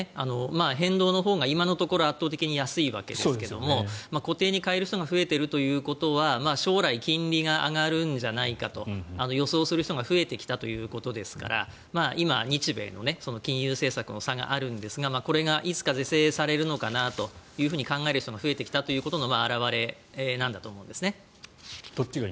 変動のほうが今のところ圧倒的に安いんですが固定に変える人が増えているということは将来、金利が上がるんじゃないかと予想する人が増えてきたということですから今、日米の金融政策の差があるんですがこれがいつか是正されるのかなと考える人が増えてきたということの表れなんだと思うんですね。